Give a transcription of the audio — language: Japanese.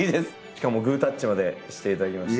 しかもグータッチまでしていただきまして。